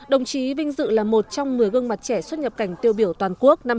đồng chí vinh dự là một trong một mươi gương mặt trẻ xuất nhập cảnh tiêu biểu toàn quốc năm hai nghìn hai mươi